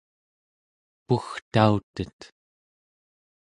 pugtautet